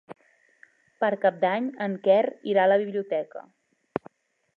Per Cap d'Any en Quer irà a la biblioteca.